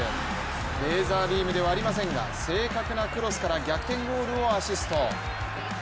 レーザービームではありませんが、正確なクロスから逆転ゴールをアシスト。